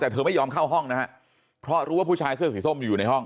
แต่เธอไม่ยอมเข้าห้องนะฮะเพราะรู้ว่าผู้ชายเสื้อสีส้มอยู่ในห้อง